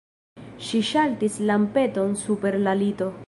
Ŝi ŝaltis lampeton super la lito.